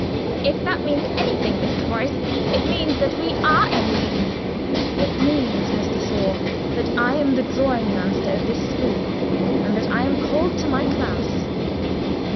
"If that means anything, Mr. Morris, it means that we are enemies." "It means, Miss de Sor, that I am the drawing master at this school, and that I am called to my class."